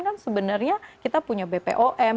kan sebenarnya kita punya bpom